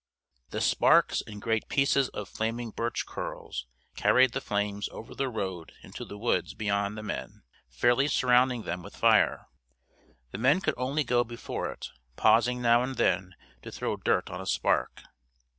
The sparks and great pieces of flaming birch curls carried the flames over the road into the woods beyond the men, fairly surrounding them with fire. The men could only go before it, pausing now and then to throw dirt on a spark.